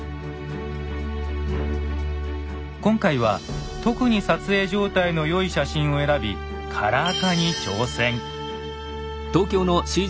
今回は特に撮影状態の良い写真を選びカラー化に挑戦。